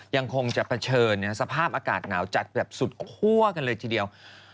ยังคงจะเผชิญสภาพอากาศหนาวจัดแบบสุดคั่วกันเลยทีเดียว